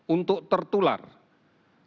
untuk tertutup untuk mencari penularan